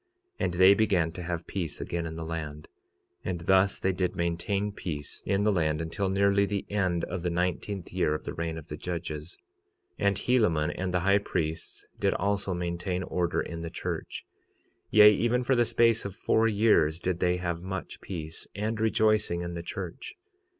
46:37 And they began to have peace again in the land; and thus they did maintain peace in the land until nearly the end of the nineteenth year of the reign of the judges. 46:38 And Helaman and the high priests did also maintain order in the church; yea, even for the space of four years did they have much peace and rejoicing in the church.